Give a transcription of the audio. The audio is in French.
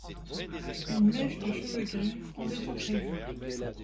Une mèche de cheveux gris pendait sur sa joue.